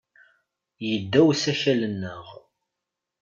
Yedda usakal-nneɣ.